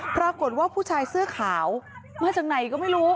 ปรากฏว่าผู้ชายเสื้อขาวมาจากไหนก็ไม่รู้